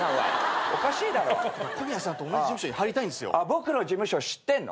僕の事務所知ってんの？